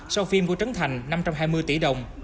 sau phim của trấn thành năm trăm hai mươi tỷ đồng